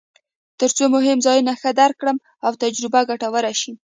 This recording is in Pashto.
ترڅو مهم ځایونه ښه درک کړم او تجربه ګټوره شي.